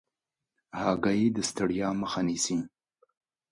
هګۍ د ستړیا مخه نیسي.